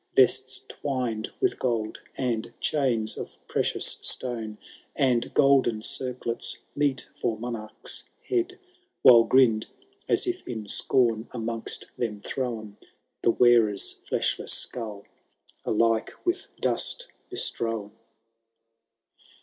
Vests twined with gold, and chains of precious stone, And golden circlets, meet for monarchs head ; While grinn'd, as if in scorn amongst them thrown. The wearer's flediless skull, alike with dust bestrown.